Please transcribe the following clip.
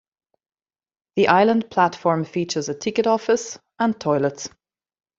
The island platform features a ticket office and toilets.